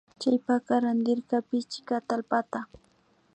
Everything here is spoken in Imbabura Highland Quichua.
Chaypaka randirka pichka atallpata